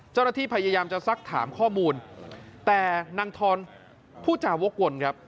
เจ้าหน้าที่พยายามจะซักถามข้อมูลแต่นางทรผู้จาวกวนครับ